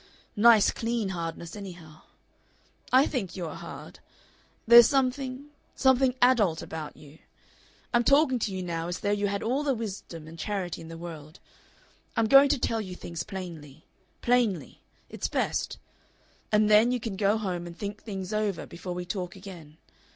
"Nice clean hardness, anyhow. I think you are hard. There's something something ADULT about you. I'm talking to you now as though you had all the wisdom and charity in the world. I'm going to tell you things plainly. Plainly. It's best. And then you can go home and think things over before we talk again.